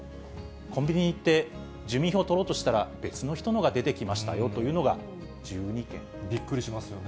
コンビニ行って、住民票取ろうとしたら、別の人のが出てきましたよというのが１２びっくりしますよね。